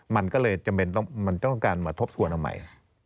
มันก็เลยจำเป็นมันต้องการมาทบทวนเอาใหม่